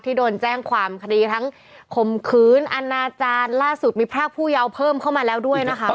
โดนแจ้งความคดีทั้งข่มขืนอนาจารย์ล่าสุดมีพรากผู้เยาว์เพิ่มเข้ามาแล้วด้วยนะคะ